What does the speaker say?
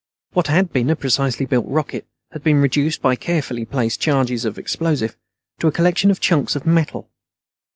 What had been a precisely built rocket had been reduced, by carefully placed charges of explosive, to a collection of chunks of metal.